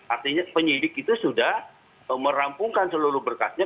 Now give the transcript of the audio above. artinya penyidik itu sudah merampungkan seluruh berkasnya